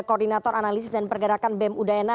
koordinator analisis dan pergerakan bem udayana